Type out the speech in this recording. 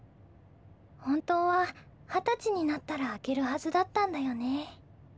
本当は二十歳になったら開けるはずだったんだよね。